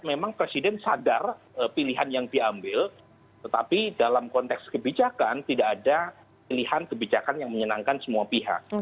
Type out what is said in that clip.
memang presiden sadar pilihan yang diambil tetapi dalam konteks kebijakan tidak ada pilihan kebijakan yang menyenangkan semua pihak